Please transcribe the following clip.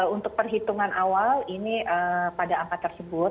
untuk perhitungan awal ini pada angka tersebut